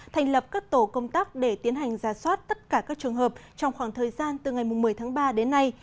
thành lập các tổ công tác để tiến hành ra soát tất cả các trường hợp trong khoảng thời gian từ ngày một mươi tháng ba đến nay